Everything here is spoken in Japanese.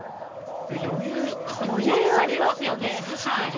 余裕ありますよね。